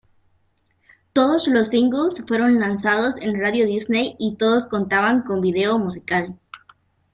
Todos los singles fueron lanzados en Radio Disney y todos contaban con video musical.